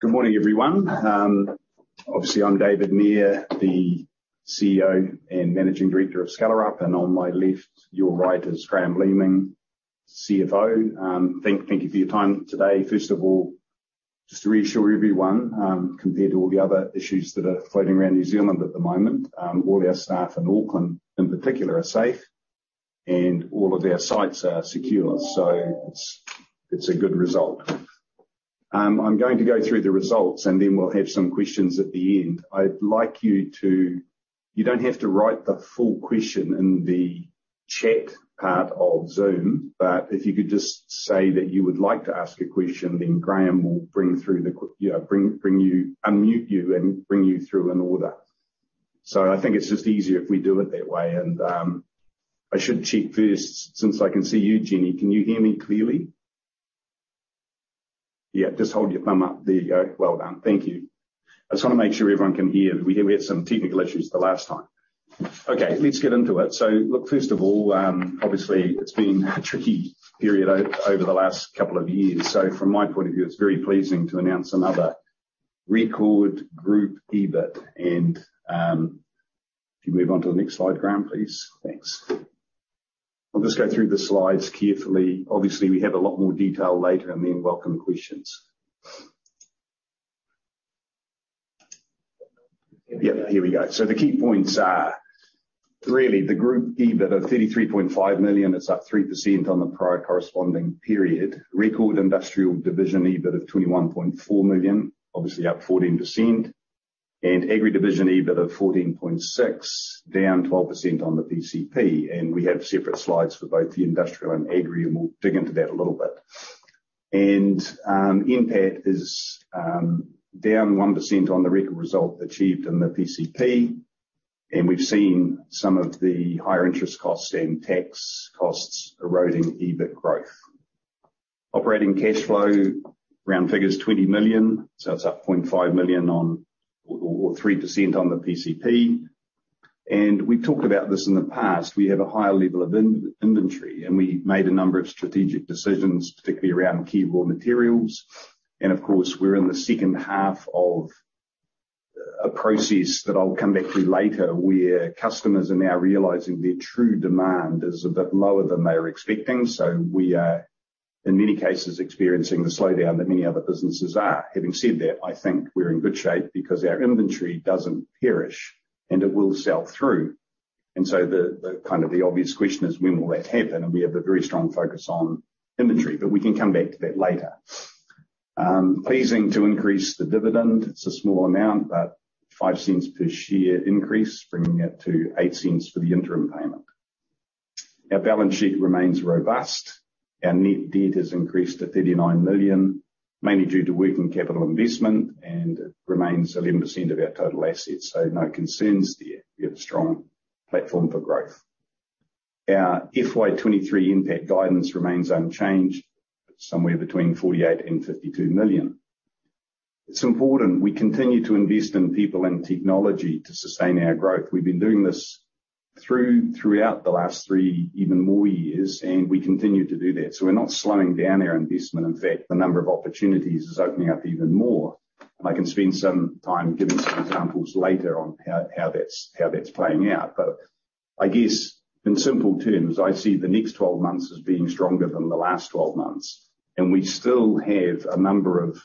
Good morning, everyone. Obviously I'm David Mair, the CEO and Managing Director of Skellerup, and on my left, your right, is Graham Leaming, CFO. Thank you for your time today. First of all, just to reassure everyone, compared to all the other issues that are floating around New Zealand at the moment, all our staff in Auckland in particular are safe and all of our sites are secure. It's a good result. I'm going to go through the results and then we'll have some questions at the end. I'd like you to. You don't have to write the full question in the chat part of Zoom, if you could just say that you would like to ask a question, Graham will bring through, you know, unmute you and bring you through in order. I think it's just easier if we do it that way. I should check first, since I can see you, Jenny, can you hear me clearly? Yeah, just hold your thumb up. There you go. Well done. Thank you. I just wanna make sure everyone can hear. We had some technical issues the last time. Okay, let's get into it. First of all, obviously it's been a tricky period over the last couple of years. From my point of view, it's very pleasing to announce another record group EBIT. If you move on to the next slide, Graeme, please. Thanks. I'll just go through the slides carefully. Obviously, we have a lot more detail later and then welcome questions. Yeah, here we go. The key points are, really the group EBIT of 33.5 million, it's up 3% on the prior corresponding period. Record Industrial division EBIT of 21.4 million, obviously up 14%. Agri division EBIT of 14.6 million, down 12% on the PCP. We have separate slides for both the Industrial and Agri, and we'll dig into that a little bit. NPAT is down 1% on the record result achieved in the PCP. We've seen some of the higher interest costs and tax costs eroding EBIT growth. Operating cash flow, round figure's 20 million, so it's up 0.5 million on or 3% on the PCP. We've talked about this in the past. We have a higher level of in-inventory, and we made a number of strategic decisions, particularly around key raw materials. Of course, we're in the second half of a process that I'll come back to later, where customers are now realizing their true demand is a bit lower than they were expecting. We are, in many cases, experiencing the slowdown that many other businesses are. Having said that, I think we're in good shape because our inventory doesn't perish, and it will sell through. The kind of the obvious question is: When will that happen? We have a very strong focus on inventory, but we can come back to that later. Pleasing to increase the dividend. It's a small amount, but 0.05 per share increase, bringing it to 0.08 for the interim payment. Our balance sheet remains robust. Our net debt has increased to 39 million, mainly due to working capital investment and remains 11% of our total assets. No concerns there. We have a strong platform for growth. Our FY23 NPAT guidance remains unchanged, somewhere between 48 million and 52 million. It's important we continue to invest in people and technology to sustain our growth. We've been doing this throughout the last three, even more years, and we continue to do that. We're not slowing down our investment. In fact, the number of opportunities is opening up even more. I can spend some time giving some examples later on how that's playing out. I guess in simple terms, I see the next 12 months as being stronger than the last 12 months, and we still have a number of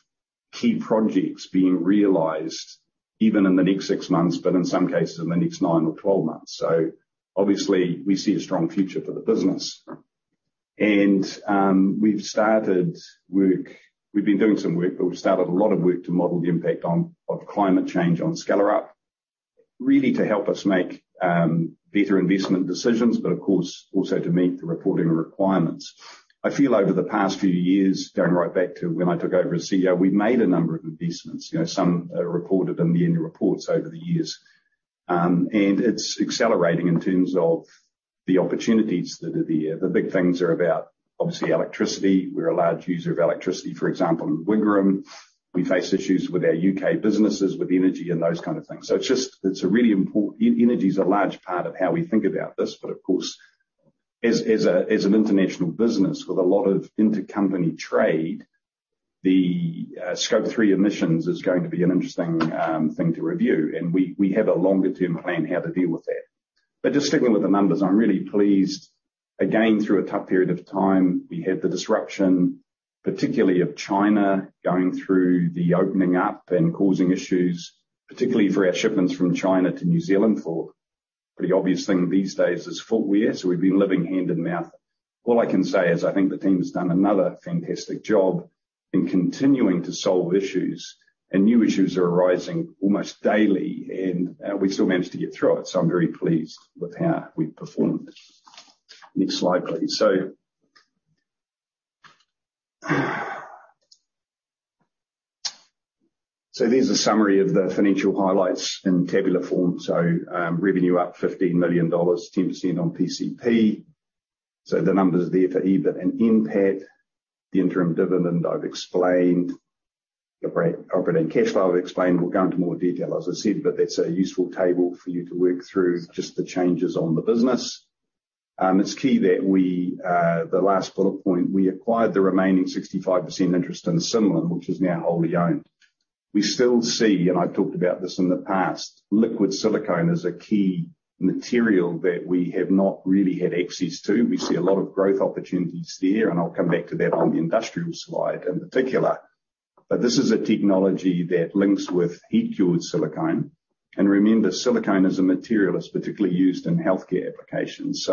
key projects being realized even in the next six months, but in some cases in the next 9 or 12 months. We've started work. We've been doing some work, but we've started a lot of work to model the impact on, of climate change on Skellerup, really to help us make better investment decisions, but of course also to meet the reporting requirements. I feel over the past few years, going right back to when I took over as CEO, we've made a number of investments. You know, some are reported in the annual reports over the years. And it's accelerating in terms of the opportunities that are there. The big things are about, obviously, electricity. We're a large user of electricity, for example, in Wigram. We face issues with our U.K. businesses, with energy and those kind of things. It's just, it's a really important Energy is a large part of how we think about this, of course, as a, as an international business with a lot of intercompany trade, the Scope three emissions is going to be an interesting thing to review, and we have a longer-term plan how to deal with that. Just sticking with the numbers, I'm really pleased. Again, through a tough period of time, we had the disruption, particularly of China going through the opening up and causing issues, particularly for our shipments from China to New Zealand, for pretty obvious thing these days is footwear. We've been living hand and mouth. All I can say is I think the team has done another fantastic job in continuing to solve issues, and new issues are arising almost daily, and we've still managed to get through it. I'm very pleased with how we've performed. Next slide, please. There's a summary of the financial highlights in tabular form. Revenue up NZD $15 million, 10% on PCP. The numbers there for EBIT and NPAT. The interim dividend, I've explained. The operating cash flow, I've explained. We'll go into more detail, as I said, but that's a useful table for you to work through just the changes on the business. It's key that we, the last bullet point, we acquired the remaining 65% interest in Sim Lim, which is now wholly owned. We still see, and I've talked about this in the past, liquid silicone as a key material that we have not really had access to. We see a lot of growth opportunities there, and I'll come back to that on the industrial slide in particular. This is a technology that links with heat-cured silicone. Remember, silicone as a material is particularly used in healthcare applications.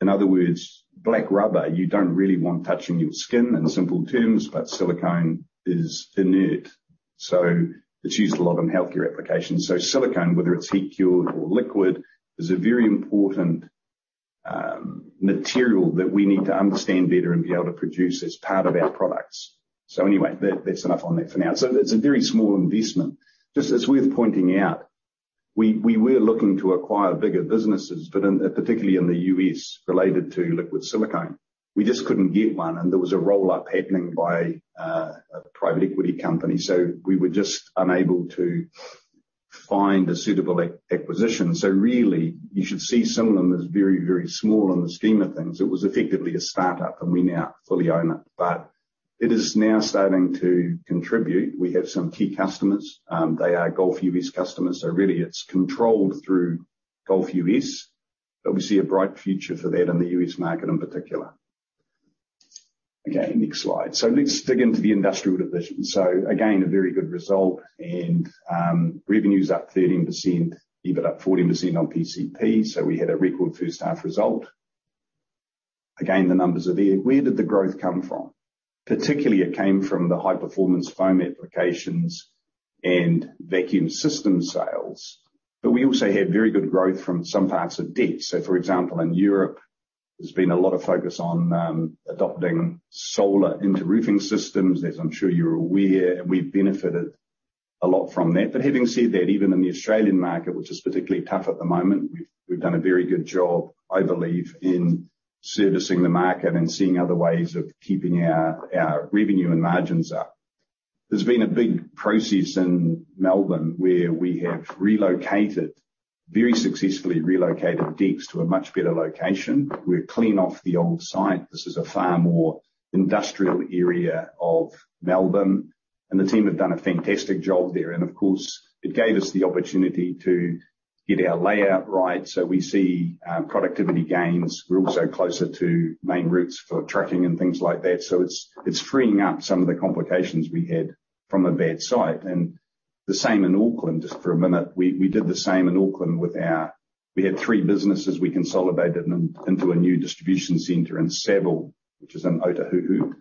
In other words, black rubber, you don't really want touching your skin in simple terms, but silicone is inert, so it's used a lot in healthcare applications. Silicone, whether it's heat-cured or liquid, is a very important material that we need to understand better and be able to produce as part of our products. Anyway, that's enough on that for now. It's a very small investment. Just it's worth pointing out, we were looking to acquire bigger businesses, particularly in the U.S. related to liquid silicone. We just couldn't get one, there was a roll-up happening by a private equity company, so we were just unable to find a suitable acquisition. Really, you should see Sim Lim as very, very small in the scheme of things. It was effectively a start-up, we now fully own it. It is now starting to contribute. We have some key customers. They are Gulf U.S. customers, really it's controlled through Gulf U.S. We see a bright future for that in the U.S market in particular. Okay, next slide. Let's dig into the industrial division. Again, a very good result and revenue's up 13%, EBIT up 40% on PCP. We had a record first half result. Again, the numbers are there. Where did the growth come from? Particularly, it came from the high-performance foam applications and vacuum system sales. We also had very good growth from some parts of DACH. For example, in Europe, there's been a lot of focus on adopting solar inter-roofing systems, as I'm sure you're aware. We benefited a lot from that. Having said that, even in the Australian market, which is particularly tough at the moment, we've done a very good job, I believe, in servicing the market and seeing other ways of keeping our revenue and margins up. There's been a big process in Melbourne, where we have relocated, very successfully relocated DEKS to a much better location. We're clean off the old site. This is a far more industrial area of Melbourne, and the team have done a fantastic job there. Of course, it gave us the opportunity to get our layout right, so we see productivity gains. We're also closer to main routes for trucking and things like that. So it's freeing up some of the complications we had from a bad site. The same in Auckland, just for a minute. We, we did the same in Auckland with our, we had three businesses. We consolidated them into a new distribution center in Savill, which is in Ōtāhuhu.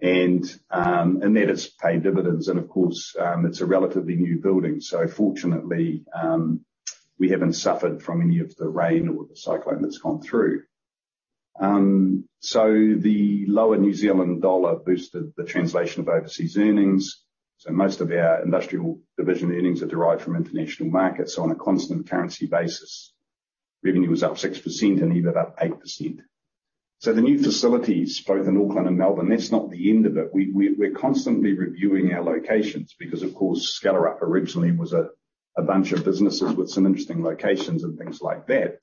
That has paid dividends. Of course, it's a relatively new building. Fortunately, we haven't suffered from any of the rain or the cyclone that's gone through. The lower New Zealand dollar boosted the translation of overseas earnings. Most of our industrial division earnings are derived from international markets on a constant currency basis. Revenue was up 6% and EBIT up 8%. The new facilities, both in Auckland and Melbourne, that's not the end of it. We're constantly reviewing our locations because of course, Skellerup originally was a bunch of businesses with some interesting locations and things like that.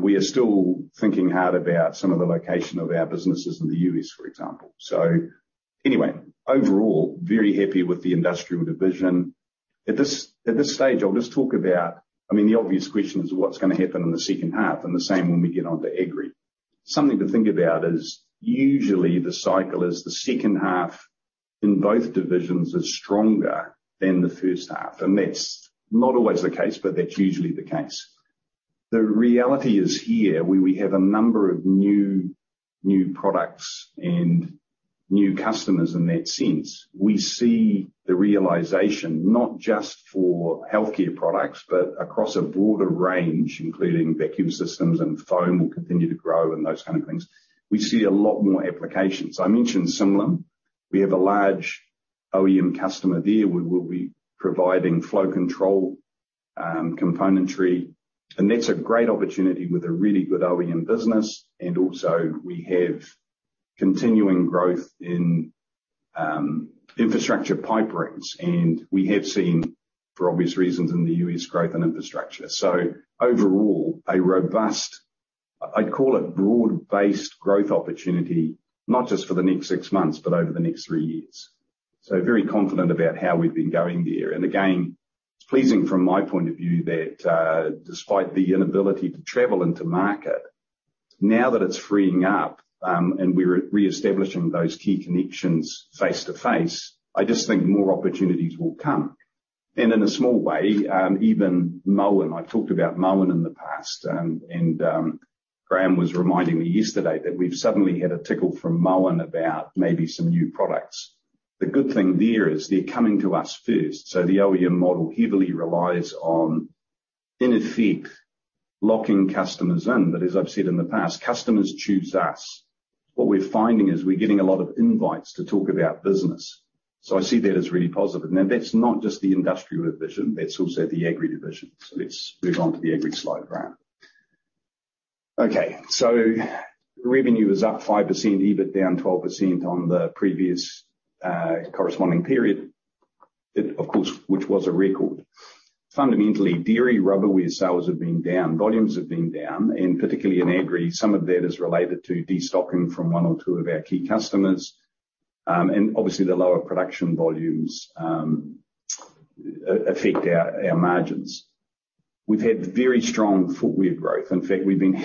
We are still thinking hard about some of the location of our businesses in the U.S. for example. Overall, very happy with the industrial division. At this stage, I'll just talk about, I mean, the obvious question is what's gonna happen in the second half and the same when we get onto Agri. Something to think about is usually the cycle is the second half in both divisions is stronger than the first half. That's not always the case, but that's usually the case. The reality is here, where we have a number of new products and new customers in that sense, we see the realization not just for healthcare products, but across a broader range, including vacuum systems and foam will continue to grow and those kind of things. We see a lot more applications. I mentioned Sim Lim. We have a large OEM customer there. We will be providing flow control componentry. That's a great opportunity with a really good OEM business. Also we have continuing growth in infrastructure pipe rings. We have seen, for obvious reasons, in the U.S. growth in infrastructure. Overall, a robust, I'd call it broad-based growth opportunity, not just for the next six months, but over the next three years. Very confident about how we've been going there. Again, it's pleasing from my point of view that despite the inability to travel and to market, now that it's freeing up, and we're re-establishing those key connections face-to-face, I just think more opportunities will come. In a small way, even Moen. I've talked about Moen in the past. And Graham was reminding me yesterday that we've suddenly had a tickle from Moen about maybe some new products. The good thing there is they're coming to us first. The OEM model heavily relies on, in effect, locking customers in. As I've said in the past, customers choose us. What we're finding is we're getting a lot of invites to talk about business. I see that as really positive. That's not just the industrial division, that's also the Agri division. Let's move on to the Agri slide, Graham. Revenue was up 5%, EBIT down 12% on the previous corresponding period. Of course, which was a record. Fundamentally, dairy rubberware sales have been down, volumes have been down, and particularly in Agri, some of that is related to destocking from one or two of our key customers. Obviously the lower production volumes affect our margins. We've had very strong footwear growth. In fact, we've been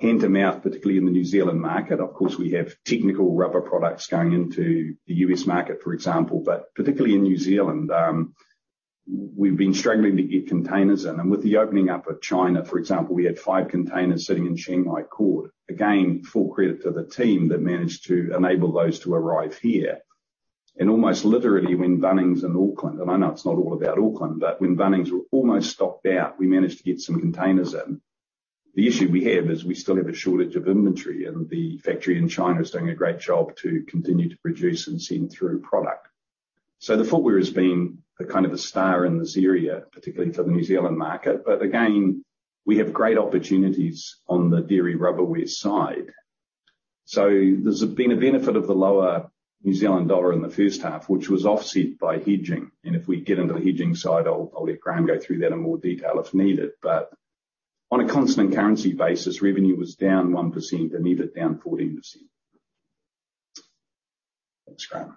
hand to mouth, particularly in the New Zealand market. Of course, we have technical rubber products going into the U.S. market, for example. Particularly in New Zealand, we've been struggling to get containers in. With the opening up of China, for example, we had five containers sitting in Shanghai port. Again, full credit to the team that managed to enable those to arrive here. Almost literally, when Bunnings in Auckland, and I know it's not all about Auckland, but when Bunnings were almost stocked out, we managed to get some containers in. The issue we have is we still have a shortage of inventory, and the factory in China is doing a great job to continue to produce and send through product. The footwear has been a kind of a star in this area, particularly for the New Zealand market. Again, we have great opportunities on the dairy rubberware side. There's been a benefit of the lower New Zealand dollar in the first half, which was offset by hedging. If we get into the hedging side, I'll let Graham go through that in more detail if needed. On a constant currency basis, revenue was down 1% and EBIT down 14%. Thanks, Graham.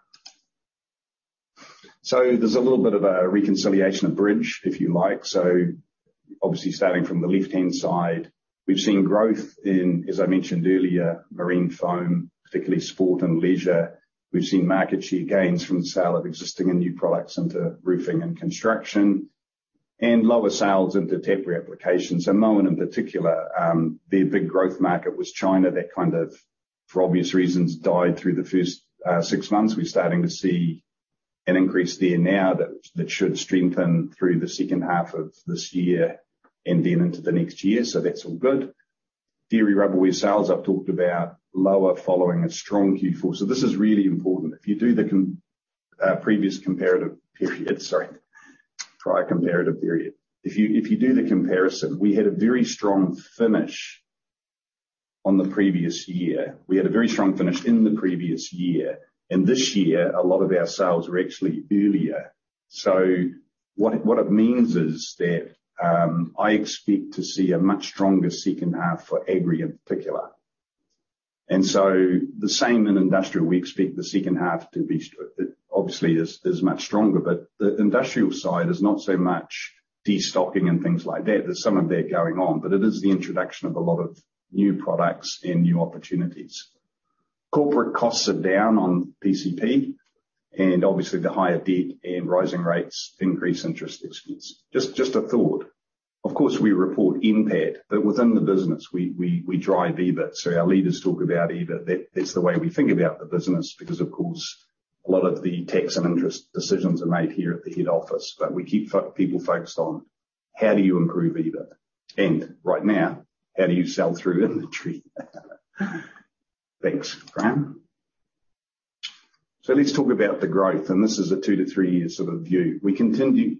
There's a little bit of a reconciliation of bridge, if you like. Obviously, starting from the left-hand side, we've seen growth in, as I mentioned earlier, marine foam, particularly sport and leisure. We've seen market share gains from the sale of existing and new products into roofing and construction, and lower sales into temporary applications. Moen in particular, their big growth market was China. That kind of, for obvious reasons, died through the first six months. We're starting to see an increase there now that should strengthen through the second half of this year and then into the next year. That's all good. Dairy rubberware sales, I've talked about lower following a strong fourth quarter. This is really important. If you do the previous comparative period. Sorry. Prior comparative period. If you do the comparison, we had a very strong finish on the previous year. We had a very strong finish in the previous year, and this year a lot of our sales were actually earlier. What it means is that, I expect to see a much stronger second half for agri, in particular. The same in industrial. We expect the second half to be obviously much stronger. The industrial side is not so much destocking and things like that. There's some of that going on, but it is the introduction of a lot of new products and new opportunities. Corporate costs are down on PCP and obviously the higher debt and rising rates increase interest expense. Just a thought. Of course, we report NPAT. Within the business we drive EBIT. Our leaders talk about EBIT. That's the way we think about the business because of course a lot of the tax and interest decisions are made here at the head office. We keep people focused on how do you improve EBIT. Right now, how do you sell through inventory? Thanks, Graham. Let's talk about the growth, and this is a two to three-year sort of view. We continue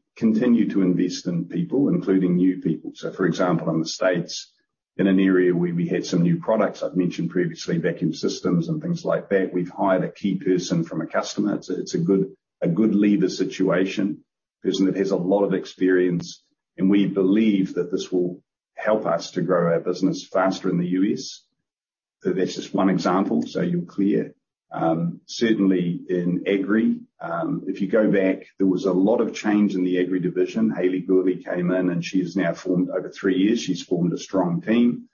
to invest in people, including new people. For example, in the States, in an area where we had some new products, I've mentioned previously, vacuum systems and things like that, we've hired a key person from a customer. It's a good leader situation. Person that has a lot of experience, and we believe that this will help us to grow our business faster in the U.S. That's just one example, so you're clear. Certainly in Agri, if you go back, there was a lot of change in the Agri division. Hayley Gourley came in. Over three years, she's formed a strong team,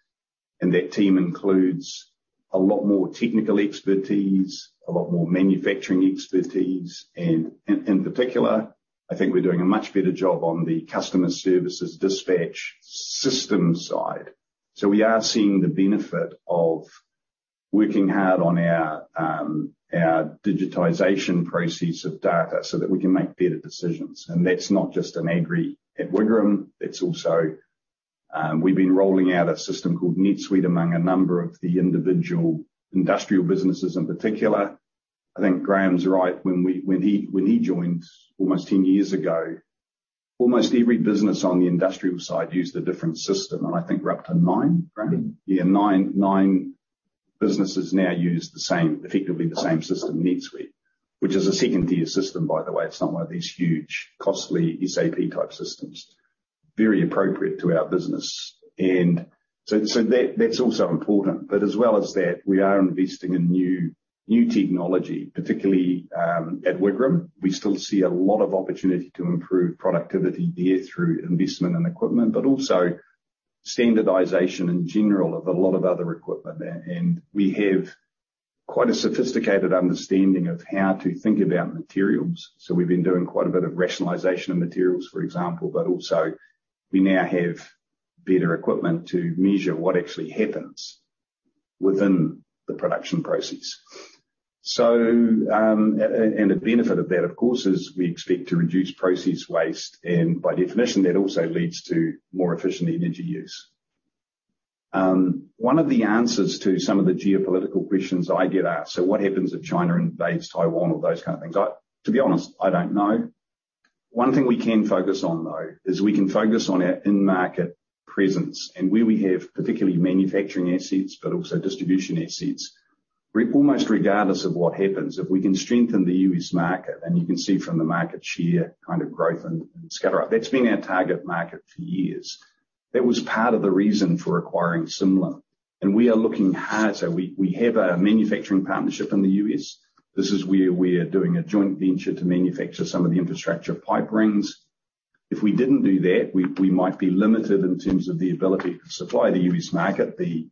and that team includes a lot more technical expertise, a lot more manufacturing expertise, and in particular, I think we're doing a much better job on the customer services dispatch system side. We are seeing the benefit of working hard on our digitization process of data so that we can make better decisions. That's not just in agri at Wigram, it's also, we've been rolling out a system called NetSuite among a number of the individual industrial businesses in particular. I think Graham's right. When he joined almost 10 years ago, almost every business on the industrial side used a different system. I think we're up to nine, Graham? Yeah nine, businesses now use the same, effectively the same system, NetSuite. Which is a second-tier system, by the way. It's not one of these huge, costly SAP type systems. Very appropriate to our business. That's also important. As well as that, we are investing in new technology, particularly at Wigram. We still see a lot of opportunity to improve productivity there through investment in equipment. Also standardization in general of a lot of other equipment there. We have quite a sophisticated understanding of how to think about materials, so we've been doing quite a bit of rationalization of materials, for example. Also we now have better equipment to measure what actually happens within the production process. A benefit of that, of course, is we expect to reduce process waste, and by definition, that also leads to more efficient energy use. One of the answers to some of the geopolitical questions I get asked, what happens if China invades Taiwan or those kind of things? To be honest, I don't know. One thing we can focus on though, is we can focus on our in-market presence and where we have particularly manufacturing assets, but also distribution assets. We're almost regardless of what happens, if we can strengthen the U.S. market, and you can see from the market share kind of growth and Skellerup. That's been our target market for years. That was part of the reason for acquiring Sim Lim. We are looking harder. We have a manufacturing partnership in the U.S. This is where we are doing a joint venture to manufacture some of the infrastructure pipe rings. If we didn't do that, we might be limited in terms of the ability to supply the U.S. market, the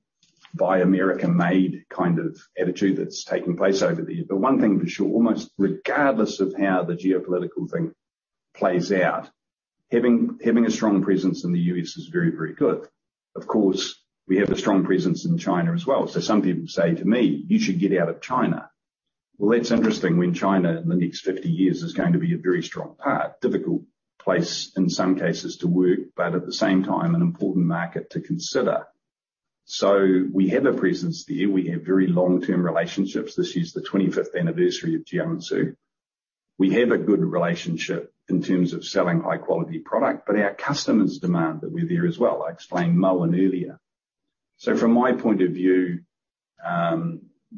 buy American-made kind of attitude that's taking place over there. One thing for sure, almost regardless of how the geopolitical thing plays out, having a strong presence in the U.S. is very, very good. Of course, we have a strong presence in China as well. Some people say to me, "You should get out of China." Well, that's interesting when China, in the next 50 years, is going to be a very strong part. Difficult place in some cases to work, but at the same time, an important market to consider. We have a presence there. We have very long-term relationships. This year is the 25th anniversary of Jiangsu. We have a good relationship in terms of selling high-quality product, but our customers demand that we're there as well, like supplying Moen earlier. From my point of view,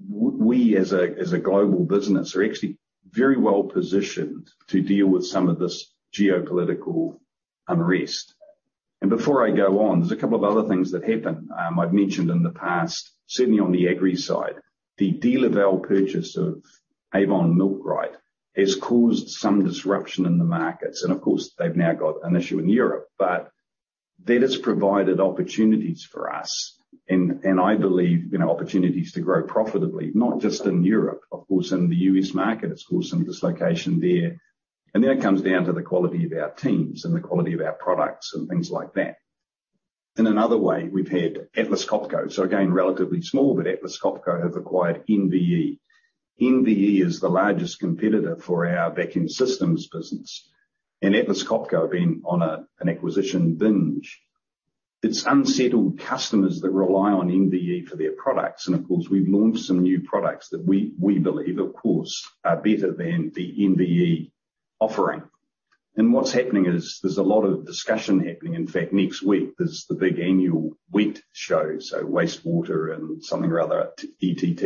we as a global business, are actually very well positioned to deal with some of this geopolitical unrest. Before I go on, there's a couple of other things that happened, I've mentioned in the past, certainly on the agri side. The DeLaval purchase of Avon milkrite has caused some disruption in the markets, and of course, they've now got an issue in Europe. That has provided opportunities for us and I believe, you know, opportunities to grow profitably, not just in Europe. Of course, in the U.S. market, of course, some dislocation there. That comes down to the quality of our teams and the quality of our products and things like that. In another way, we've had Atlas Copco. Again, relatively small, but Atlas Copco have acquired NVE. NVE is the largest competitor for our vacuum systems business. Atlas Copco being on a, an acquisition binge, it's unsettled customers that rely on NVE for their products. Of course, we've launched some new products that we believe, of course, are better than the NVE offering. What's happening is there's a lot of discussion happening. In fact, next week there's the big annual WWETT Show, so wastewater and something or other, ETT.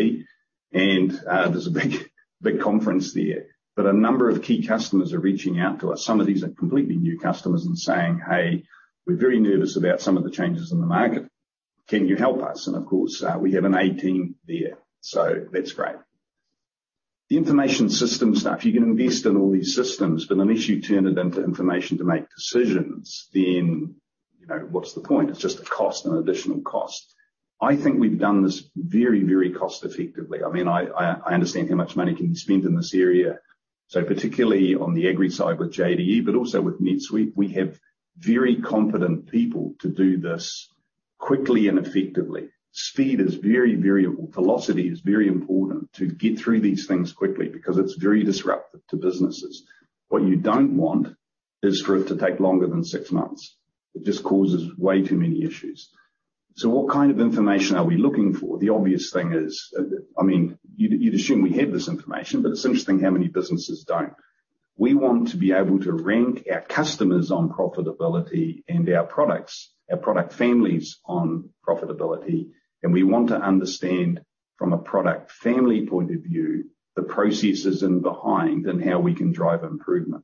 There's a big conference there. A number of key customers are reaching out to us. Some of these are completely new customers and saying, hey, we're very nervous about some of the changes in the market. Can you help us? Of course, we have an A team there. That's great. The information system stuff, you can invest in all these systems, but unless you turn it into information to make decisions, then, you know, what's the point? It's just a cost, an additional cost. I think we've done this very, very cost effectively. I mean, I understand how much money can you spend in this area. Particularly on the agri side with JDE, but also with NetSuite, we have very competent people to do this quickly and effectively. Speed is very variable. Velocity is very important to get through these things quickly because it's very disruptive to businesses. What you don't want is for it to take longer than six months. It just causes way too many issues. What kind of information are we looking for? The obvious thing is, I mean, you'd assume we have this information, but it's interesting how many businesses don't. We want to be able to rank our customers on profitability and our products, our product families on profitability. We want to understand from a product family point of view, the processes in behind and how we can drive improvement.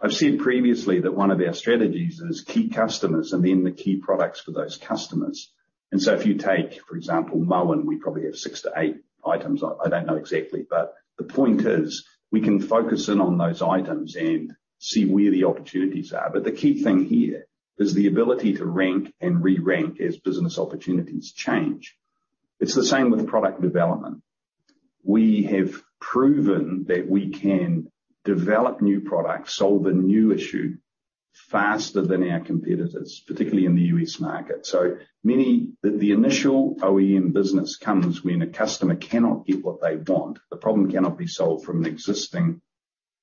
I've said previously that one of our strategies is key customers and then the key products for those customers. If you take, for example, Moen, we probably have 6-8 items. I don't know exactly. But the point is we can focus in on those items and see where the opportunities are. The key thing here is the ability to rank and re-rank as business opportunities change. It's the same with product development. We have proven that we can develop new products, solve a new issue faster than our competitors, particularly in the U.S. market. The initial OEM business comes when a customer cannot get what they want. The problem cannot be solved from an existing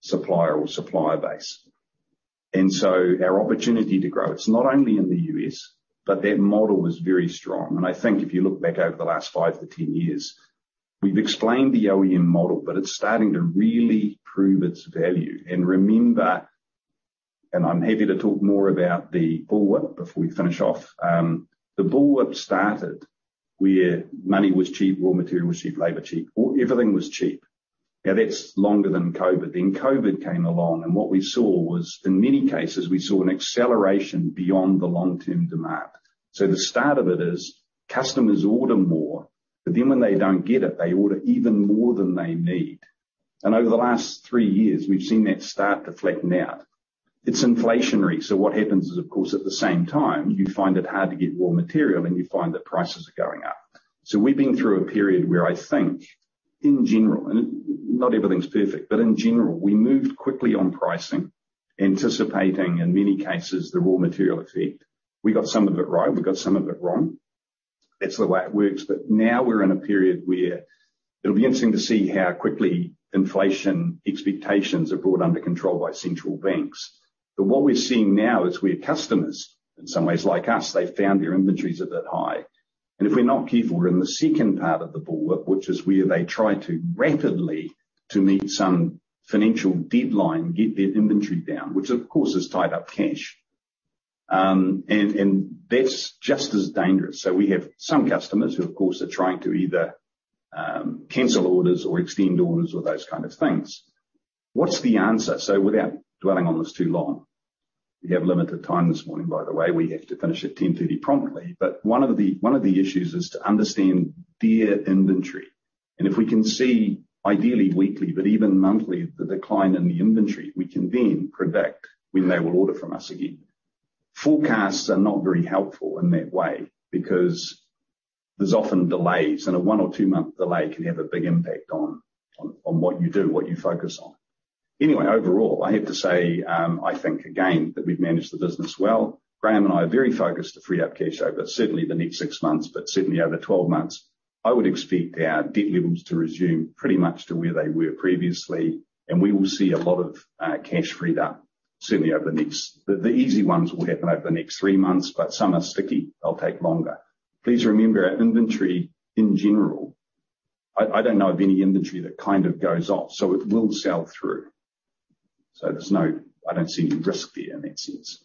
supplier or supplier base. Our opportunity to grow, it's not only in the U.S., but that model is very strong. I think if you look back over the last 5-10 years, we've explained the OEM model, but it's starting to really prove its value. Remember, I'm happy to talk more about the bullwhip before we finish off. The bullwhip started where money was cheap, raw material was cheap, labor cheap. Everything was cheap. That's longer than COVID. COVID came along, and what we saw was, in many cases, we saw an acceleration beyond the long-term demand. The start of it is customers order more, but then when they don't get it, they order even more than they need. Over the last three years, we've seen that start to flatten out. It's inflationary, what happens is, of course, at the same time, you find it hard to get raw material, and you find that prices are going up. We've been through a period where I think, in general, and not everything's perfect, but in general, we moved quickly on pricing, anticipating, in many cases, the raw material effect. We got some of it right, we got some of it wrong. That's the way it works. Now we're in a period where it'll be interesting to see how quickly inflation expectations are brought under control by central banks. What we're seeing now is where customers, in some ways like us, they've found their inventories are a bit high. If we're not careful in the second part of the bullwhip, which is where they try to rapidly to meet some financial deadline, get their inventory down, which of course is tied up cash, and that's just as dangerous. We have some customers who of course, are trying to either cancel orders or extend orders or those kind of things. What's the answer? Without dwelling on this too long, we have limited time this morning, by the way. We have to finish at 10:30 promptly. One of the issues is to understand their inventory, and if we can see ideally weekly, but even monthly, the decline in the inventory, we can then predict when they will order from us again. Forecasts are not very helpful in that way because there's often delays, and a one or two-month delay can have a big impact on what you do, what you focus on. Overall, I have to say, I think again, that we've managed the business well. Graham and I are very focused to free up cash over, certainly the next six months, but certainly over 12 months. I would expect our debt levels to resume pretty much to where they were previously, and we will see a lot of cash freed up certainly over the next. The easy ones will happen over the next three months, some are sticky. They'll take longer. Please remember our inventory in general, I don't know of any inventory that kind of goes off, it will sell through. I don't see any risk there in that sense.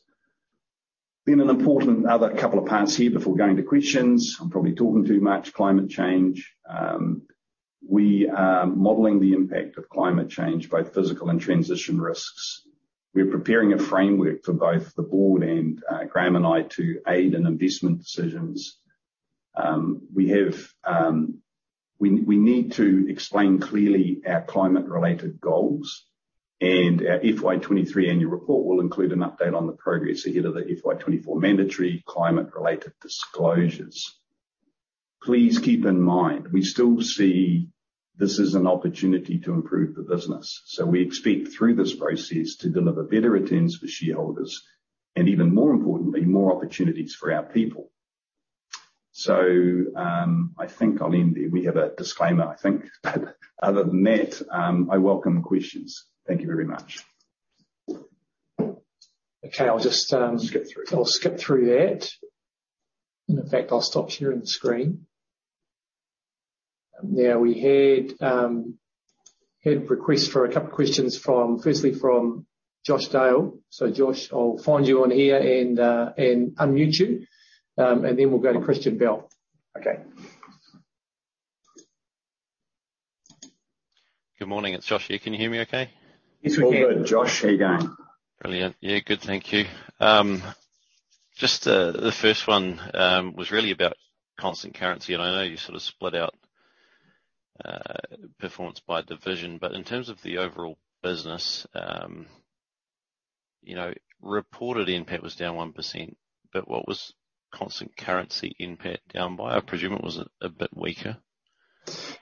An important other couple of parts here before going to questions. I'm probably talking too much. Climate change. We are modeling the impact of climate change, both physical and transition risks. We're preparing a framework for both the board and Graham and I to aid in investment decisions. We have, we need to explain clearly our climate-related goals, our FY23 annual report will include an update on the progress ahead of the FY24 mandatory climate-related disclosures. Please keep in mind, we still see this as an opportunity to improve the business. We expect through this process to deliver better returns for shareholders and even more importantly, more opportunities for our people. I think I'll end there. We have a disclaimer, I think. Other than that, I welcome questions. Thank you very much. Okay, I'll just. Skip through. I'll skip through that. In fact, I'll stop sharing the screen. We had requests for a couple of questions firstly from Josh Dale. Josh, I'll find you on here and unmute you. We'll go to Christian Bell. Okay. Good morning, it's Josh here. Can you hear me okay? Yes, we can. All good, Josh. How you going? Brilliant. Yeah, good, thank you. Just the first one was really about cotant currency, and I know you sort of split out performance by division. In terms of the overall business, you know, reported NPAT was down 1%, but what was constant currency NPAT down by? I presume it was a bit weaker.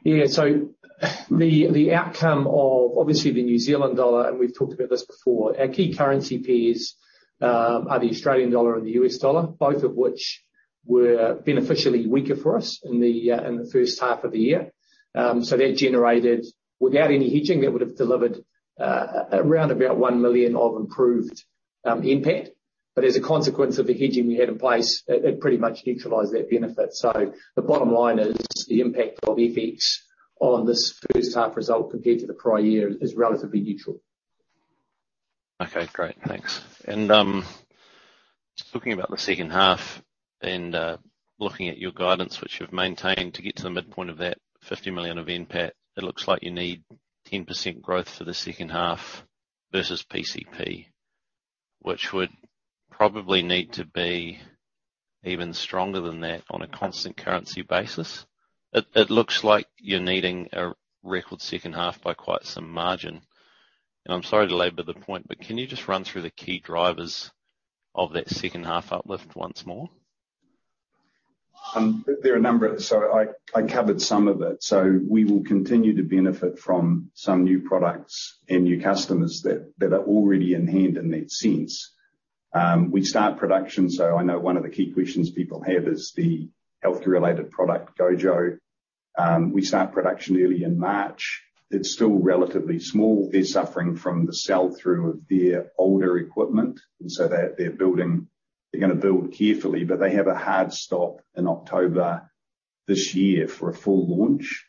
The outcome of obviously the New Zealand dollar, and we've talked about this before, our key currency peers are the Australian dollar and the U.S. dollar, both of which were beneficially weaker for us in the first half of the year. That generated, without any hedging, that would have delivered around about 1 million of improved NPAT. As a consequence of the hedging we had in place, it pretty much neutralized that benefit. The bottom line is the impact of FX on this first half result compared to the prior year is relatively neutral. Okay, great. Thanks. Just looking about the second half, looking at your guidance, which you've maintained to get to the midpoint of that 50 million of NPAT, it looks like you need 10% growth for the second half versus PCP, which would probably need to be even stronger than that on a constant currency basis. It looks like you're needing a record second half by quite some margin. I'm sorry to labor the point, but can you just run through the key drivers of that second half uplift once more? There are a number. I covered some of it. We will continue to benefit from some new products and new customers that are already in hand in that sense. We start production, I know one of the key questions people have is the healthcare-related product GOJO. We start production early in March. It's still relatively small. They're suffering from the sell-through of their older equipment. They're gonna build carefully, but they have a hard stop in October this year for a full launch.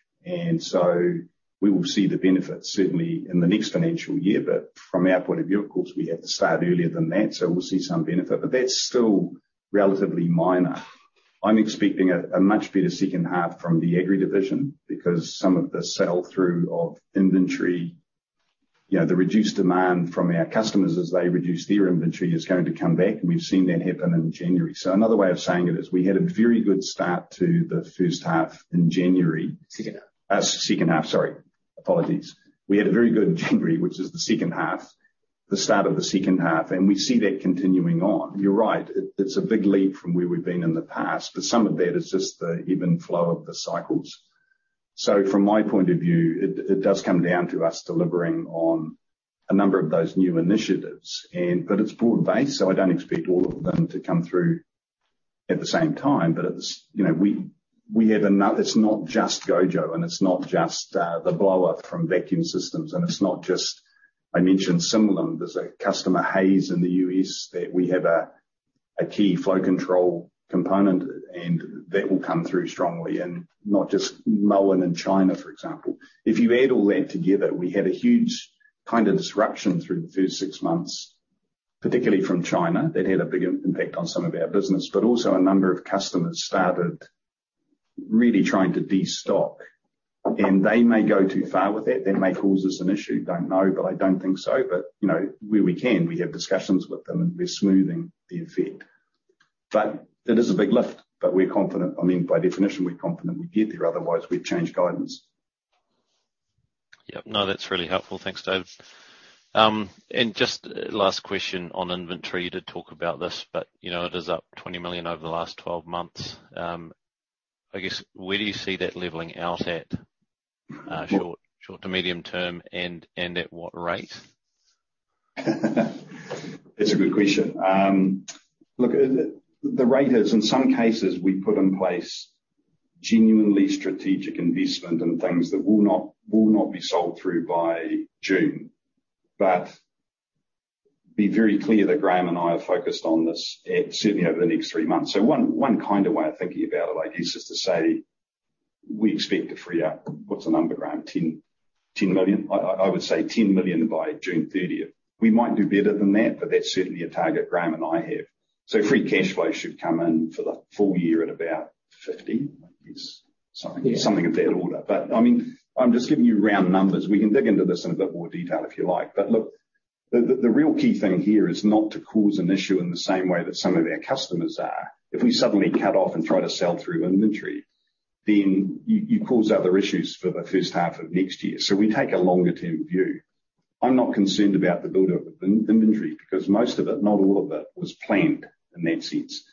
We will see the benefit certainly in the next financial year. From our point of view, of course, we have to start earlier than that, we'll see some benefit. That's still relatively minor. I'm expecting a much better second half from the agri division because some of the sell-through of inventory, you know, the reduced demand from our customers as they reduce their inventory is going to come back, and we've seen that happen in January. Another way of saying it is we had a very good start to the first half in January. Second half. Second half, sorry. Apologies. We had a very good January, which is the second half, the start of the second half, we see that continuing on. You're right. It's a big leap from where we've been in the past, but some of that is just the even flow of the cycles. From my point of view, it does come down to us delivering on a number of those new initiatives, but it's broad-based, so I don't expect all of them to come through at the same time. It's, you know, it's not just GOJO, and it's not just the blower from vacuum systems, and I mentioned Sim Lim. There's a customer, Hayes, in the U.S. that we have a key flow control component, and that will come through strongly, and not just Moen in China, for example. If you add all that together, we had a huge kind of disruption through the first six months, particularly from China. That had a big impact on some of our business. Also a number of customers started really trying to de-stock, and they may go too far with that. That may cause us an issue. Don't know, but I don't think so. You know, where we can, we have discussions with them, and we're smoothing the effect. It is a big lift, but we're confident. I mean, by definition, we're confident we get there, otherwise we'd change guidance. Yep. No, that's really helpful. Thanks, Dave. Just last question on inventory? You did talk about this, but, you know, it is up 20 million over the last 12 months. I guess, where do you see that leveling out at, short to medium term and at what rate? That's a good question. Look, the rate is in some cases we put in place genuinely strategic investment in things that will not be sold through by June. Be very clear that Graham and I are focused on this at certainly over the next three months. One kind of way of thinking about it, I guess, is to say we expect to free up, what's the number, Graham? 10 million? I would say 10 million by June 30th. We might do better than that, but that's certainly a target Graham and I have. Free cash flow should come in for the full year at about 50, I guess. Something. Yeah. Something of that order. I mean, I'm just giving you round numbers. We can dig into this in a bit more detail if you like. Look, the real key thing here is not to cause an issue in the same way that some of our customers are. If we suddenly cut off and try to sell through inventory, then you cause other issues for the first half of next year, so we take a longer term view. I'm not concerned about the buildup of in-inventory because most of it, not all of it, was planned in that sense.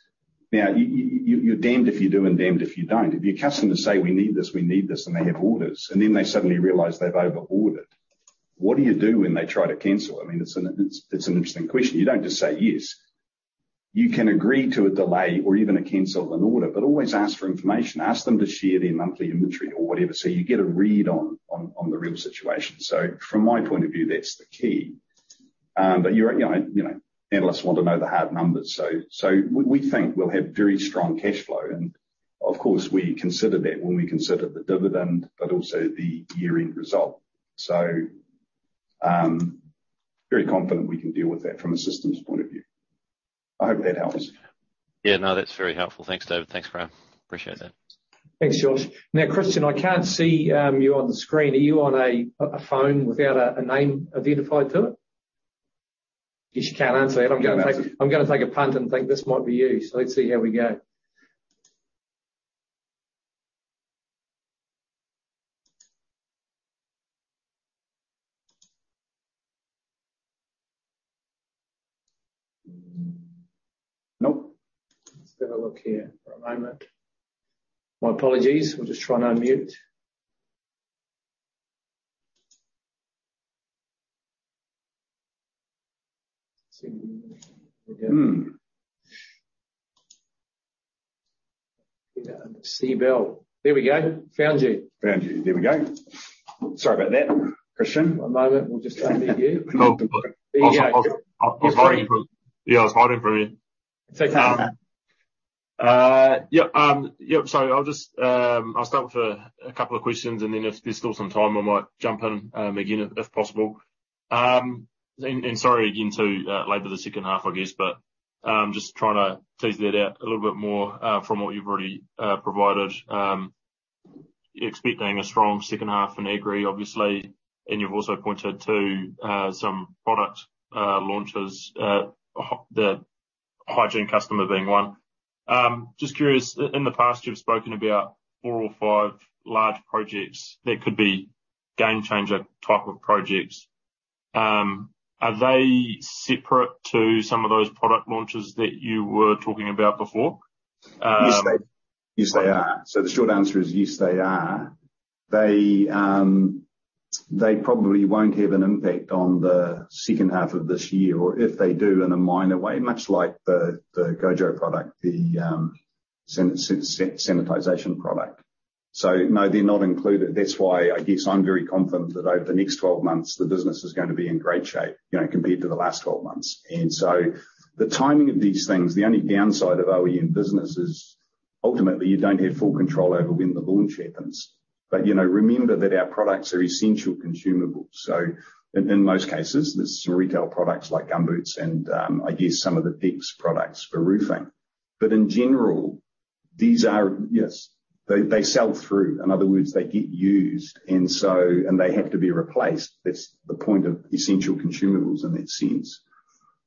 Now, you're damned if you do and damned if you don't. If your customers say, we need this, and they have orders, and then they suddenly realize they've over-ordered, what do you do when they try to cancel? I mean, it's an interesting question. You don't just say, yes. You can agree to a delay or even a cancel of an order, but always ask for information. Ask them to share their monthly inventory or whatever, so you get a read on the real situation. From my point of view, that's the key. But you're, you know, analysts want to know the hard numbers. We think we'll have very strong cash flow and of course, we consider that when we consider the dividend, but also the year-end result. Very confident we can deal with that from a systems point of view. I hope that helps. That's very helpful. Thanks, David. Thanks, Graeme. Appreciate that. Christian, I can't see you on the screen. Are you on a phone without a name identified to it? Guess you can't answer that. Can't answer. I'm gonna take a punt and think this might be you. Let's see how we go. Nope. Let's have a look here for a moment. My apologies. We'll just try and unmute. See. C. Bell. There we go. Found you. Found you. There we go. Sorry about that, Christian. One moment. We'll just unmute you. No. There you go. I was hiding from. You free? Yeah, I was hiding from you. It's okay. Yeah, yep. Sorry. I'll just, I'll start with a couple of questions and then if there's still some time, I might jump in again if possible. Sorry again to labor the second half, I guess, but just trying to tease that out a little bit more from what you've already provided. Expecting a strong second half in agri, obviously. You've also pointed to some product launches, the hygiene customer being one. Just curious, in the past, you've spoken about four or five large projects that could be game changer type of projects. Are they separate to some of those product launches that you were talking about before? Yes, they are. The short answer is yes, they are. They probably won't have an impact on the second half of this year, or if they do, in a minor way, much like the GOJO product, the sanitization product. No, they're not included. That's why I guess I'm very confident that over the next 12 months, the business is gonna be in great shape, you know, compared to the last 12 months. The timing of these things, the only downside of OEM business is ultimately you don't have full control over when the launch happens. You know, remember that our products are essential consumables, so in most cases. There's some retail products like gumboots and, I guess some of the DEKS products for roofing. In general, these are, yes, they sell through. In other words, they get used and so, and they have to be replaced. That's the point of essential consumables in that sense.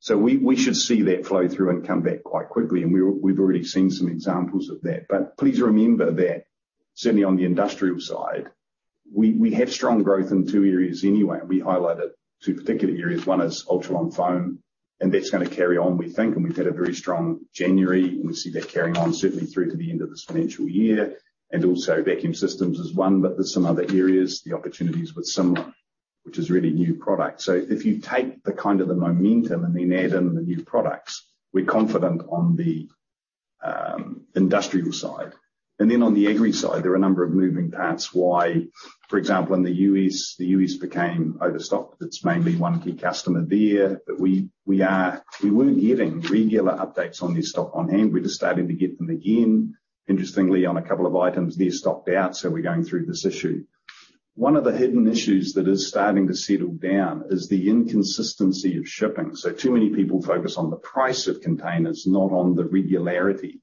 We should see that flow through and come back quite quickly. We've already seen some examples of that. Please remember that certainly on the industrial side, we have strong growth in two areas anyway. We highlighted two particular areas. One is ultra-low foam, and that's gonna carry on, we think, and we've had a very strong January, and we see that carrying on certainly through to the end of this financial year. Also vacuum systems is one, but there's some other areas, the opportunities with Sim Lim, which is really new product. If you take the kind of the momentum and then add in the new products, we're confident on the industrial side. On the agri side, there are a number of moving parts why, for example, in the U.S., the U.S. became overstocked. It's mainly one key customer there. We weren't getting regular updates on their stock on hand. We're just starting to get them again. Interestingly, on a couple of items, they're stocked out, so we're going through this issue. One of the hidden issues that is starting to settle down is the inconsistency of shipping. Too many people focus on the price of containers, not on the regularity.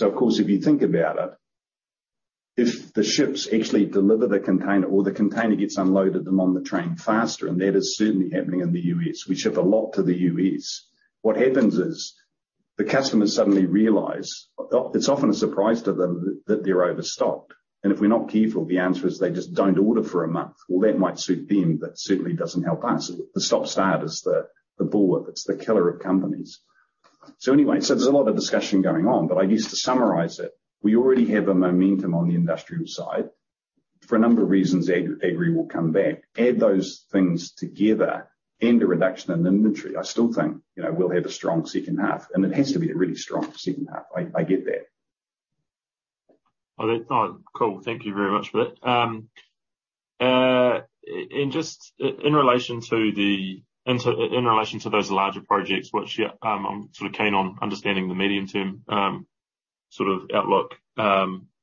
Of course, if you think about it, if the ships actually deliver the container or the container gets unloaded them on the train faster, and that is certainly happening in the U.S., we ship a lot to the U.S. What happens is, the customers suddenly realize it's often a surprise to them that they're overstocked. If we're not careful, the answer is they just don't order for a month. Well, that might suit them, but certainly doesn't help us. The stop-start is the bullwhip. It's the killer of companies. Anyway, so there's a lot of discussion going on, but I guess to summarize it, we already have a momentum on the industrial side. For a number of reasons, agri will come back. Add those things together and a reduction in inventory, I still think, you know, we'll have a strong second half, and it has to be a really strong second half. I get that. All right. No, cool. Thank you very much for that. Just in relation to those larger projects, which, yeah, I'm sort of keen on understanding the medium-term sort of outlook,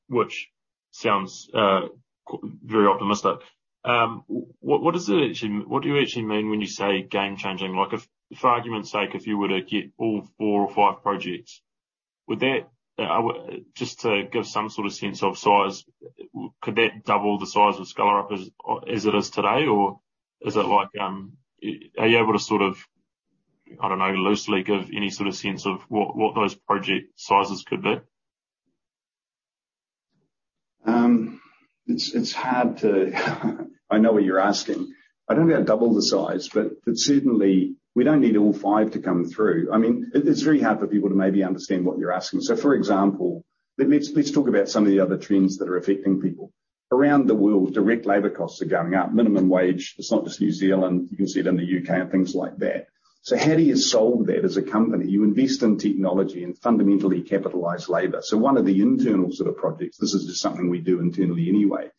which sounds very optimistic. What do you actually mean when you say game-changing? Like, if argument's sake, if you were to get all four or five projects, would that, just to give some sort of sense of size, could that double the size of Skellerup as it is today? Or is it like, are you able to sort of, I don't know, loosely give any sort of sense of what those project sizes could be? I know what you're asking. I don't think I'd double the size, but certainly we don't need all five to come through. I mean, it's very hard for people to maybe understand what you're asking. For example, let's talk about some of the other trends that are affecting people. Around the world, direct labor costs are going up, minimum wage. It's not just New Zealand. You can see it in the U.K. and things like that. How do you solve that as a company? You invest in technology and fundamentally capitalize labor. One of the internal sort of projects, this is just something we do internally anyway,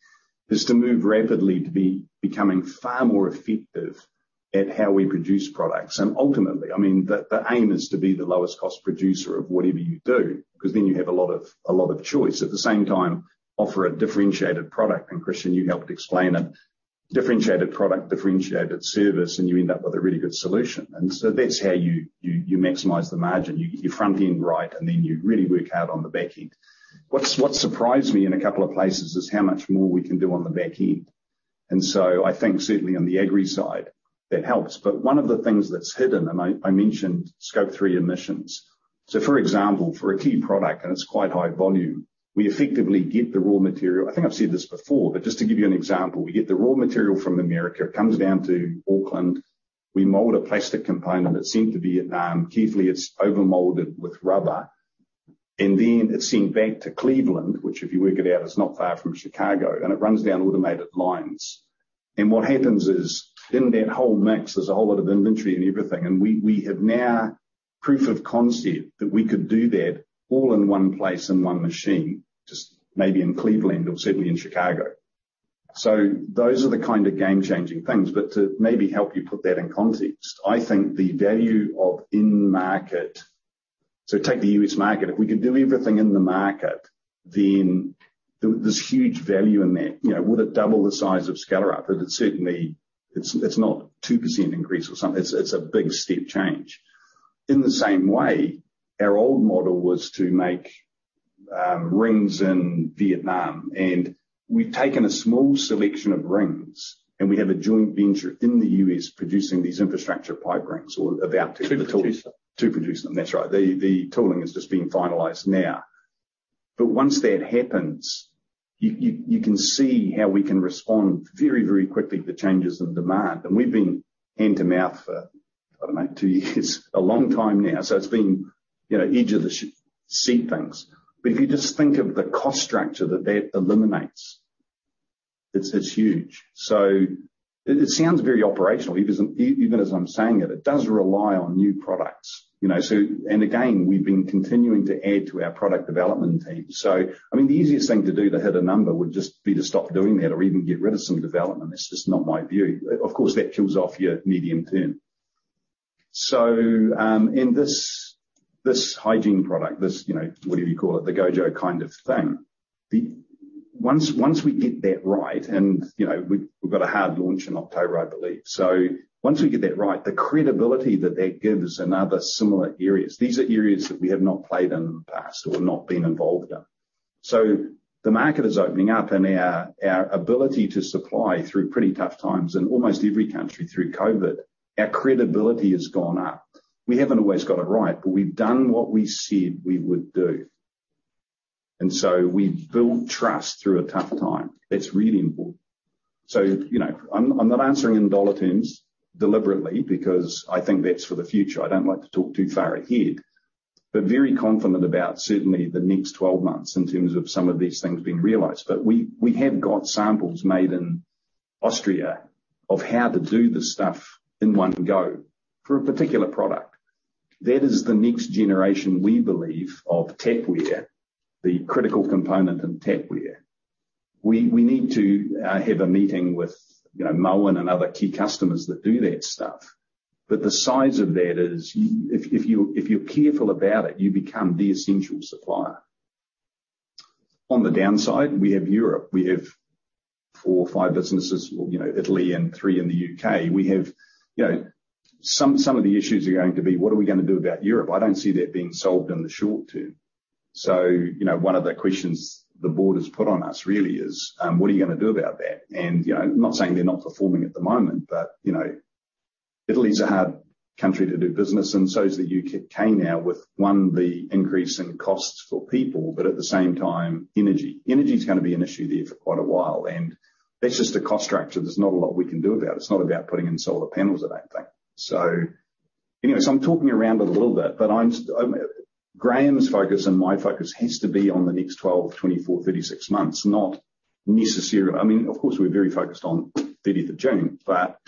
is to move rapidly to be becoming far more effective at how we produce products. Ultimately, I mean, the aim is to be the lowest cost producer of whatever you do, 'cause then you have a lot of choice. At the same time, offer a differentiated product. Christian, you helped explain it. Differentiated product, differentiated service, and you end up with a really good solution. That's how you maximize the margin. You get your front-end right, and then you really work out on the back end. What surprised me in a couple of places is how much more we can do on the back end. I think certainly on the agri side, that helps. One of the things that's hidden, I mentioned Scope three emissions. For example, for a key product, and it's quite high volume, we effectively get the raw material. I think I've said this before, but just to give you an example. We get the raw material from America. It comes down to Auckland. We mold a plastic component. It's sent to Vietnam. Carefully, it's overmolded with rubber. It's sent back to Cleveland, which, if you work it out, is not far from Chicago, and it runs down automated lines. What happens is, in that whole mix, there's a whole lot of inventory and everything. We have now proof of concept that we could do that all in one place, in one machine, just maybe in Cleveland or certainly in Chicago. Those are the kind of game-changing things. To maybe help you put that in context, I think the value of in-market. Take the U.S. market. If we could do everything in the market, then there's huge value in that. You know, would it double the size of Skellerup? It certainly. It's not 2% increase or something. It's a big step change. In the same way, our old model was to make rings in Vietnam, and we've taken a small selection of rings, and we have a joint venture in the U.S. producing these infrastructure pipe rings or about to. To produce them. To produce them. That's right. The tooling is just being finalized now. Once that happens, you can see how we can respond very, very quickly to changes in demand. We've been hand-to-mouth for, I don't know, two years, a long time now. It's been, you know, edge of the seat things. If you just think of the cost structure that that eliminates, it's huge. It sounds very operational, even as I'm saying it. It does rely on new products, you know. Again, we've been continuing to add to our product development team. I mean, the easiest thing to do to hit a number would just be to stop doing that or even get rid of some development. It's just not my view. Of course, that kills off your medium-term. In this hygiene product, this, you know, whatever you call it, the GOJO kind of thing, Once we get that right, and, you know, we've got a hard launch in October, I believe. Once we get that right, the credibility that that gives in other similar areas. These are areas that we have not played in the past or not been involved in. The market is opening up, and our ability to supply through pretty tough times in almost every country through COVID, our credibility has gone up. We haven't always got it right, but we've done what we said we would do. We've built trust through a tough time. That's really important. You know, I'm not answering in NZD terms deliberately because I think that's for the future. I don't like to talk too far ahead. Very confident about certainly the next 12 months in terms of some of these things being realized. We have got samples made in Austria of how to do the stuff in one go for a particular product. That is the next generation, we believe, of tapware, the critical component in tapware. We need to have a meeting with, you know, Moen and other key customers that do that stuff. The size of that is if you are careful about it, you become the essential supplier. On the downside, we have Europe. We have four or five businesses, you know, Italy, and three in the U.K. We have, you know, some of the issues are going to be what are we gonna do about Europe? I don't see that being solved in the short term. You know, one of the questions the board has put on us really is, what are you gonna do about that? You know, not saying they're not performing at the moment, but, you know, Italy's a hard country to do business, and so is the U.K. now with, one, the increase in costs for people, but at the same time, energy. Energy's gonna be an issue there for quite a while, and that's just a cost structure. There's not a lot we can do about it. It's not about putting in solar panels or that thing. Anyways, I'm talking around it a little bit, but Graham's focus and my focus has to be on the next 12, 24, 36 months, not necessarily. I mean, of course, we're very focused on 30th of June, but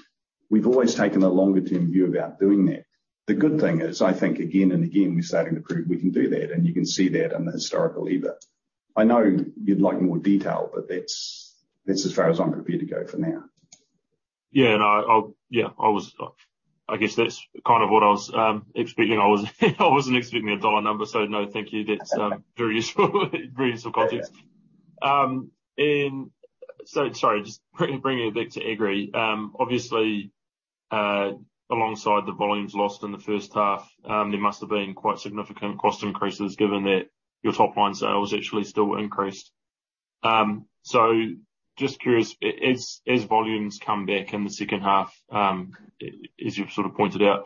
we've always taken a longer-term view about doing that. The good thing is, I think again and again, we're starting to prove we can do that. You can see that in the historical EBITDA. I know you'd like more detail. That's as far as I'm prepared to go for now. I guess that's kind of what I was expecting. I wasn't expecting a dollar number, thank you. That's very useful, very useful context. Sorry, just bringing it back to Agri. Obviously, alongside the volumes lost in the first half, there must have been quite significant cost increases given that your top-line sales actually still increased. Just curious, as volumes come back in the second half, as you've sort of pointed out,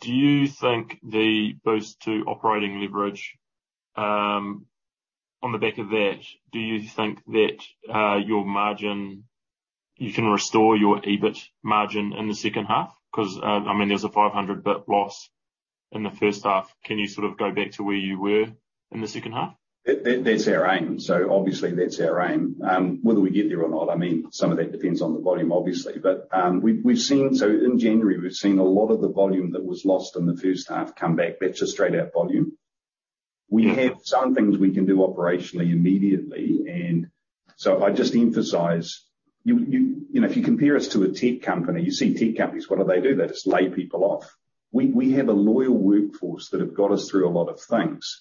do you think the boost to operating leverage on the back of that, do you think that you can restore your EBIT margin in the second half? I mean, there's a 500 EBIT loss in the first half. Can you sort of go back to where you were in the second half? That's our aim. Obviously that's our aim. Whether we get there or not, I mean, some of that depends on the volume obviously. In January, we've seen a lot of the volume that was lost in the first half come back. That's just straight out volume. We have some things we can do operationally, immediately. I just emphasize, you know, if you compare us to a tech company, you see tech companies, what do they do? They just lay people off. We have a loyal workforce that have got us through a lot of things.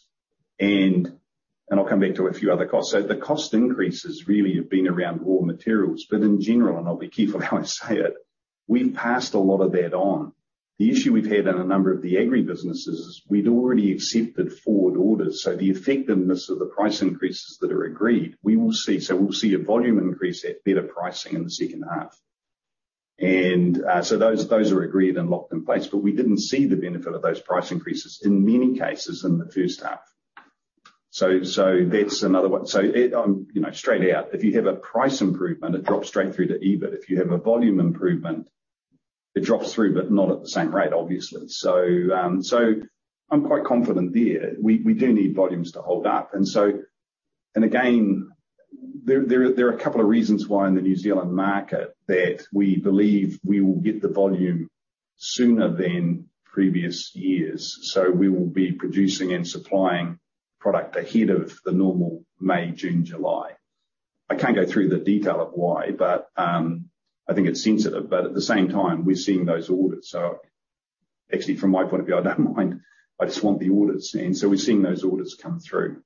I'll come back to a few other costs. The cost increases really have been around raw materials. In general, and I'll be careful how I say it, we've passed a lot of that on. The issue we've had in a number of the agri businesses is we'd already accepted forward orders. The effectiveness of the price increases that are agreed, we will see. We'll see a volume increase at better pricing in the second half. Those are agreed and locked-in place. We didn't see the benefit of those price increases in many cases in the first half. That's another one. It, you know, straight out, if you have a price improvement, it drops straight through to EBIT. If you have a volume improvement, it drops through, but not at the same rate, obviously. I'm quite confident there. We do need volumes to hold up. Again, there are a couple of reasons why in the New Zealand market that we believe we will get the volume sooner than previous years, so we will be producing and supplying product ahead of the normal May, June, July. I can't go through the detail of why, but I think it's sensitive, but at the same time, we're seeing those orders. Actually from my point of view, I don't mind. I just want the orders. We're seeing those orders come through.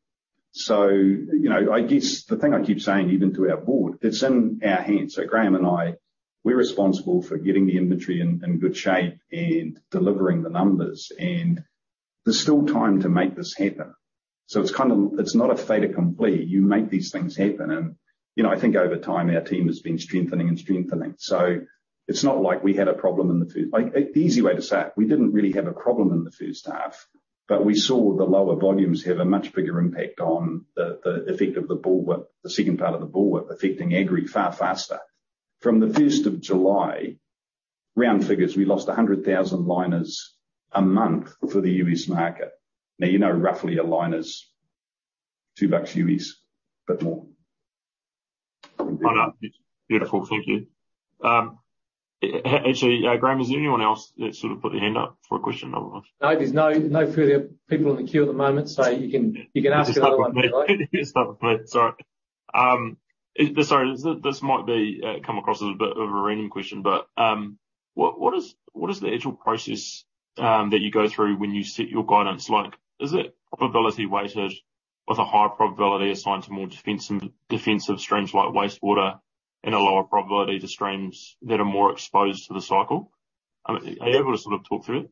You know, I guess the thing I keep saying, even to our board, it's in our hands. Graham and I, we're responsible for getting the inventory in good shape and delivering the numbers. There's still time to make this happen. It's not a fait accompli. You make these things happen. You know, I think over time, our team has been strengthening. It's not like we had a problem. Easy way to say it, we didn't really have a problem in the first half, but we saw the lower volumes have a much bigger impact on the effect of the bullwhip, the second part of the bullwhip affecting agri far faster. From the first of July, round figures, we lost 100,000 liners a month for the U.S. market. You know, roughly a liner's NZD $2 us, bit more. Oh, no. Beautiful. Thank you. Actually, Graham, is there anyone else that sort of put their hand up for a question otherwise? No, there's no further people in the queue at the moment, so you can ask another one. Start with me. Sorry. This might be come across as a bit of a random question, but what is the actual process that you go through when you set your guidance? Like, is it probability weighted with a higher probability assigned to more defensive streams like wastewater and a lower probability to streams that are more exposed to the cycle? Are you able to sort of talk through it?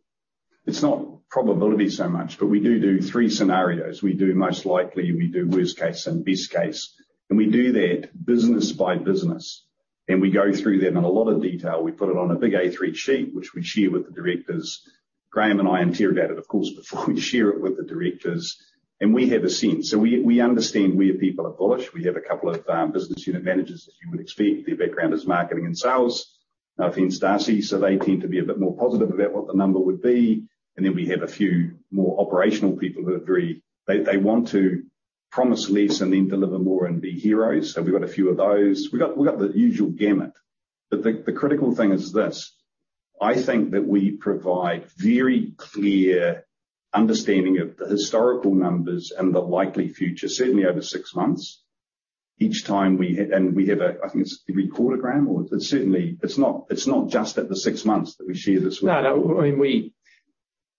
It's not probability so much, but we do do three scenarios. We do most likely, we do worst case and best case, and we do that business by business, and we go through them in a lot of detail. We put it on a big A3 sheet, which we share with the directors. Graham and I interrogate it, of course, before we share it with the directors. We have a sense, so we understand where people are bullish. We have a couple of business unit managers, as you would expect. Their background is marketing and sales. They tend to be a bit more positive about what the number would be. Then we have a few more operational people who they want to promise less and then deliver more and be heroes. We've got a few of those. We got the usual gamut. The critical thing is this, I think that we provide very clear understanding of the historical numbers and the likely future, certainly over six months. Each time and we have a, I think it's every quarter, Graham, or it's not just at the six months that we share this with. No, no. I mean,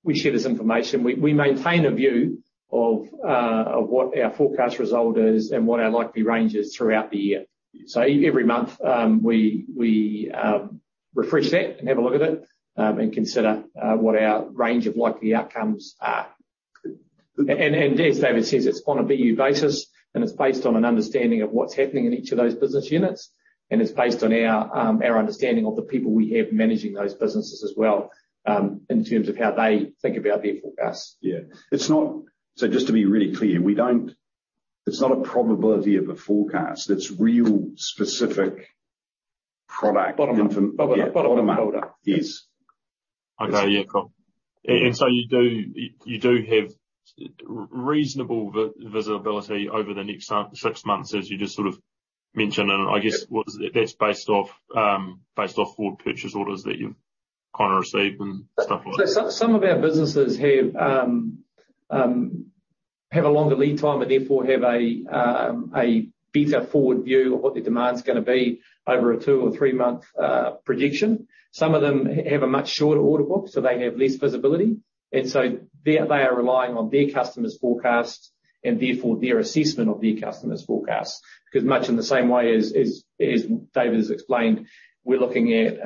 we share this information. We maintain a view of what our forecast result is and what our likely range is throughout the year. Every month, we refresh that and have a look at it, and consider, what our range of likely outcomes are. Good. As David says, it's on a BU basis, and it's based on an understanding of what's happening in each of those business units, and it's based on our understanding of the people we have managing those businesses as well, in terms of how they think about their forecasts. Yeah. Just to be really clear, it's not a probability of a forecast. It's real specific product. Bottom up. Yeah. Bottom up. Bottom up. Yes. Okay. Yeah, cool. You do have reasonable visibility over the next six months, as you just sort of mentioned. That's based off, based off forward purchase orders that you've kind of received and stuff like that. Some of our businesses have a longer lead time and therefore have a better forward view of what their demand's gonna be over a two- or three-month prediction. Some of them have a much shorter order book, so they have less visibility. They are relying on their customers' forecasts and therefore their assessment of their customers' forecasts. 'Cause much in the same way as David has explained, we're looking at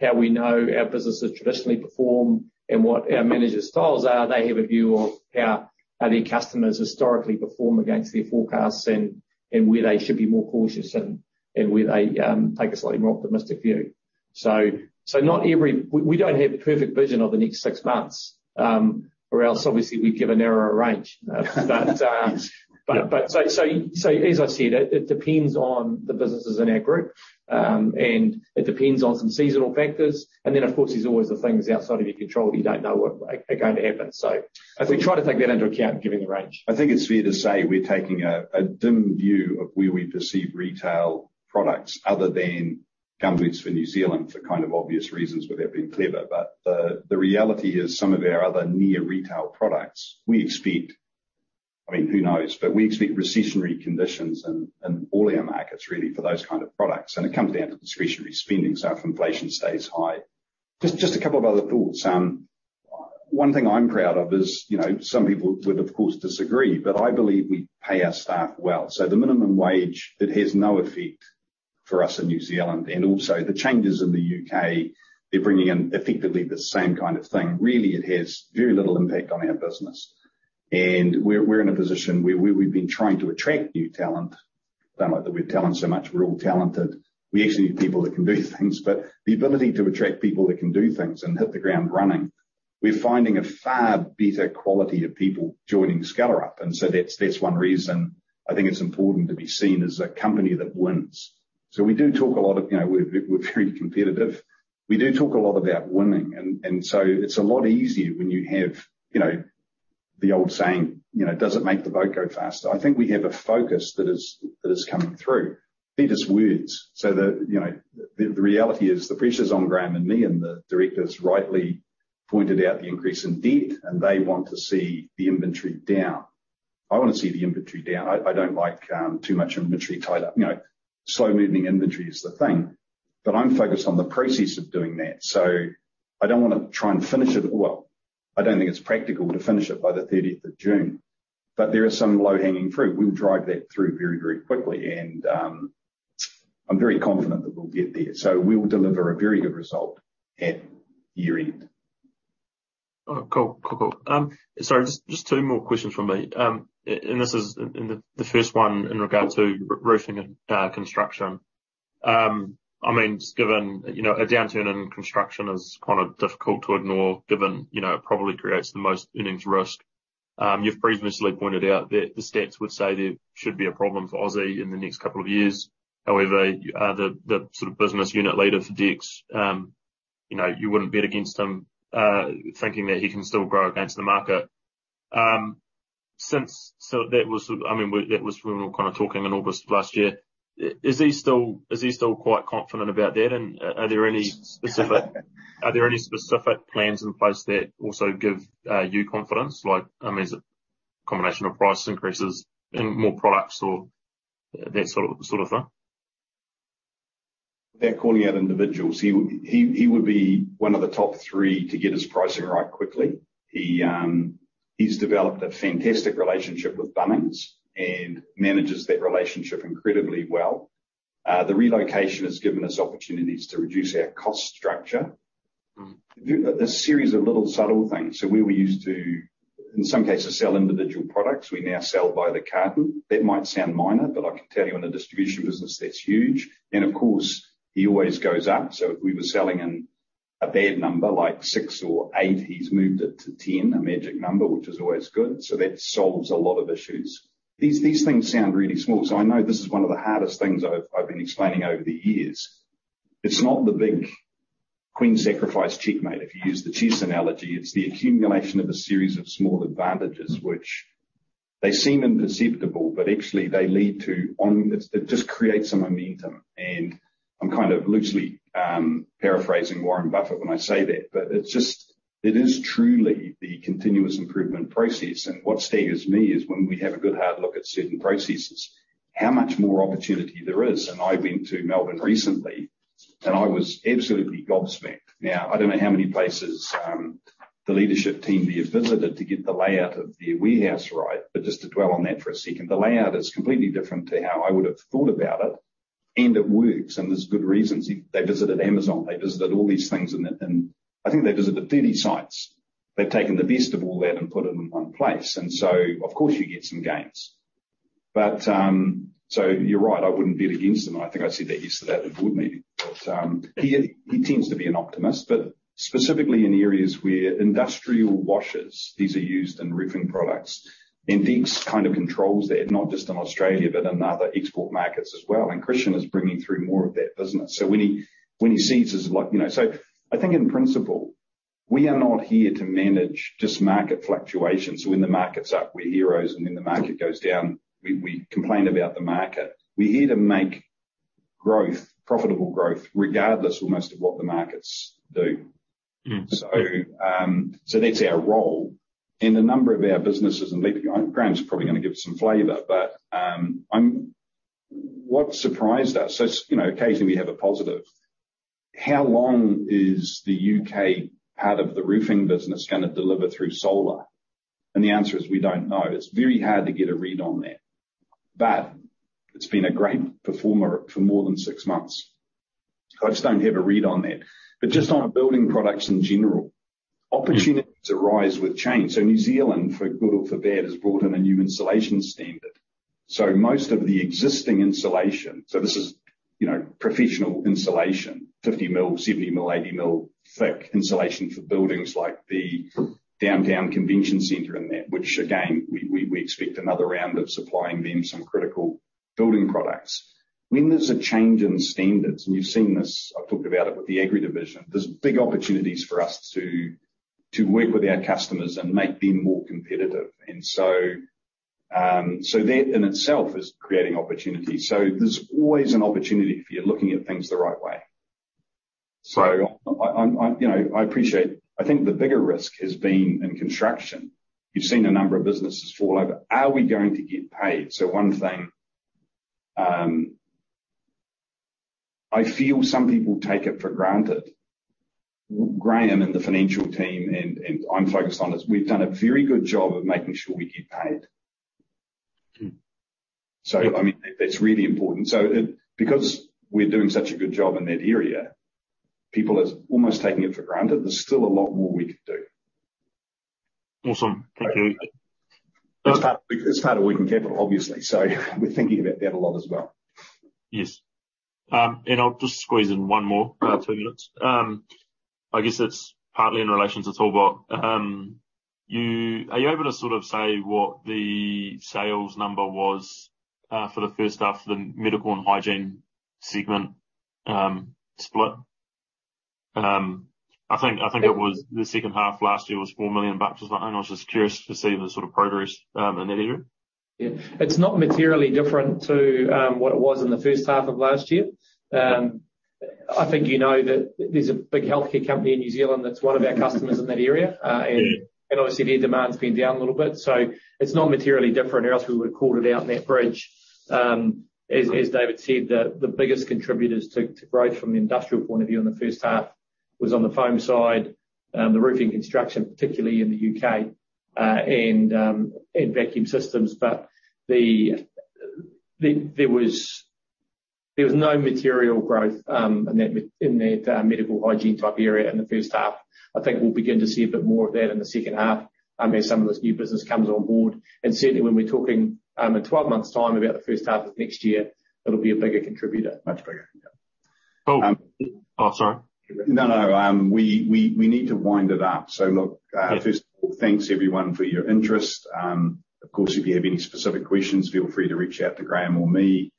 how we know our businesses traditionally perform and what our managers' styles are. They have a view of how their customers historically perform against their forecasts and where they should be more cautious and where they take a slightly more optimistic view. We don't have perfect vision of the next six months, or else obviously we'd give a narrower range. As I said, it depends on the businesses in our group, and it depends on some seasonal factors. Of course there's always the things outside of your control that you don't know are going to happen. We try to take that into account giving the range. I think it's fair to say we're taking a dim view of where we perceive retail products other than gumboots for New Zealand for kind of obvious reasons, without being clever. The reality is some of our other near retail products, we expect. I mean, who knows? We expect recessionary conditions in all our markets really for those kind of products, and it comes down to discretionary spending, so if inflation stays high. Just a couple of other thoughts. One thing I'm proud of is, you know, some people would of course disagree, I believe we pay our staff well. The minimum wage, it has no effect for us in New Zealand, and also the changes in the U.K., they're bringing in effectively the same kind of thing. Really, it has very little impact on our business. We're in a position where we've been trying to attract new talent. It's not like that we have talent so much, we're all talented. We actually need people that can do things. The ability to attract people that can do things and hit the ground running, we're finding a far better quality of people joining Skellerup. That's one reason I think it's important to be seen as a company that wins. We do talk a lot of, you know, we're very competitive. We do talk a lot about winning and so it's a lot easier when you have, you know, the old saying, you know, does it make the boat go faster? I think we have a focus that is coming through. Deeds is words. The, you know, the reality is the pressure's on Graham and me, and the directors rightly pointed out the increase in debt, and they want to see the inventory down. I wanna see the inventory down. I don't like too much inventory tied up. You know, slow-moving inventory is the thing. I'm focused on the process of doing that. I don't wanna try and finish it. Well, I don't think it's practical to finish it by the 30th of June. There is some low-hanging fruit. We'll drive that through very, very quickly and I'm very confident that we'll get there. We will deliver a very good result at year-end. Oh, cool. Cool, cool. Sorry, just two more questions from me. The first one in regard to roofing and construction. I mean, just given, you know, a downturn in construction is kind of difficult to ignore given, you know, it probably creates the most earnings risk. You've previously pointed out that the stats would say there should be a problem for Aussie in the next couple of years. However, the sort of business unit leader for DEKS, you know, you wouldn't bet against him, thinking that he can still grow against the market. That was, I mean, that was when we were kind of talking in August of last year. Is he still quite confident about that? Are there any specific plans in place that also give you confidence? Like, I mean, is it combination of price increases and more products or that sort of thing? Without calling out individuals, he would be one of the top three to get his pricing right quickly. He's developed a fantastic relationship with Bunnings and manages that relationship incredibly well. The relocation has given us opportunities to reduce our cost structure. The series of little subtle things. We were used to, in some cases, sell individual products. We now sell by the carton. That might sound minor, but I can tell you in a distribution business, that's huge. Of course, he always goes up. If we were selling in a bad number like sis or eight, he's moved it to 10, a magic number, which is always good. That solves a lot of issues. These things sound really small. I know this is one of the hardest things I've been explaining over the years. It's not the big queen sacrifice checkmate if you use the chess analogy. It's the accumulation of a series of small advantages which they seem imperceptible, but actually, they lead to it just creates some momentum. I'm kind of loosely paraphrasing Warren Buffett when I say that, but it is truly the continuous improvement process. What staggers me is when we have a good hard look at certain processes, how much more opportunity there is. I've been to Melbourne recently, and I was absolutely gobsmacked. I don't know how many places the leadership team there visited to get the layout of their warehouse right, but just to dwell on that for a second. The layout is completely different to how I would have thought about it, and it works, and there's good reasons. They visited Amazon, they visited all these things, and I think they visited 30 sites. They've taken the best of all that and put them in one place. Of course, you get some gains. You're right, I wouldn't bet against them. I think I said that yesterday at the board meeting. He tends to be an optimist. Specifically in areas where roofing washers, these are used in roofing products. DEKS kind of controls that, not just in Australia, but in other export markets as well. Christian is bringing through more of that business. When he sees his like, you know, I think in principle, we are not here to manage just market fluctuations. When the market's up, we're heroes, and when the market goes down, we complain about the market. We're here to make growth, profitable growth, regardless almost of what the markets do. That's our role. In a number of our businesses, and maybe Graham's probably going to give it some flavor, but What surprised us, it's, you know, occasionally we have a positive. How long is the U.K. part of the roofing business going to deliver through solar? The answer is we don't know. It's very hard to get a read on that. It's been a great performer for more than six months. I just don't have a read on that. Just on building products in general. Opportunities arise with change. New Zealand, for good or for bad, has brought in a new insulation standard. Most of the existing insulation, professional insulation, 50 mm, 70 mm, 80 mm thick insulation for buildings like the downtown convention center and that. Which again, we expect another round of supplying them some critical building products. When there's a change in standards, and you've seen this, I've talked about it with the Agri division, there's big opportunities for us to work with our customers and make them more competitive. That in itself is creating opportunities. There's always an opportunity if you're looking at things the right way. I appreciate. I think the bigger risk has been in construction. You've seen a number of businesses fall over. Are we going to get paid? One thing I feel some people take it for granted. Graham and the financial team and I'm focused on this. We've done a very good job of making sure we get paid. I mean, that's really important. Because we're doing such a good job in that area, people are almost taking it for granted. There's still a lot more we could do. Awesome. Thank you. It's part of working capital, obviously. We're thinking about that a lot as well. Yes. I'll just squeeze in one more, two minutes. I guess it's partly in relation to Talbot. Are you able to sort of say what the sales number was for the first half of the medical and hygiene segment split? I think it was the second half last year was 4 million bucks or something. I was just curious to see the sort of progress in that area. Yeah. It's not materially different to what it was in the first half of last year. I think you know that there's a big healthcare company in New Zealand that's one of our customers in that area. Yeah. Obviously, their demand's been down a little bit. It's not materially different, or else we would have called it out in that bridge. As David said, the biggest contributors to growth from an industrial point of view in the first half was on the foam side, the roofing construction, particularly in the U.K., and vacuum systems. There was no material growth in that medical hygiene type area in the first half. I think we'll begin to see a bit more of that in the second half, as some of this new business comes on board. Certainly when we're talking in 12 months' time about the first half of next year, it'll be a bigger contributor. Much bigger. Yeah. Cool. Oh, sorry. No, no. We need to wind it up. Yeah. First of all, thanks, everyone, for your interest. Of course, if you have any specific questions, feel free to reach out to Graham or me.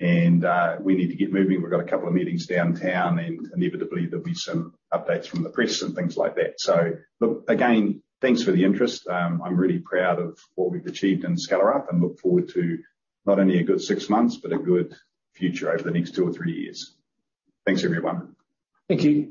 We need to get moving. We've got a couple of meetings downtown, and inevitably there'll be some updates from the press and things like that. Again, thanks for the interest. I'm really proud of what we've achieved in Skellerup and look forward to not only a good six months but a good future over the next two or three years. Thanks, everyone. Thank you.